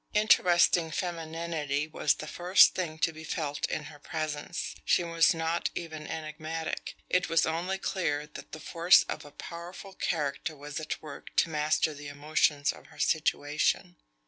Interesting femininity was the first thing to be felt in her presence. She was not even enigmatic. It was only clear that the force of a powerful character was at work to master the emotions of her situation.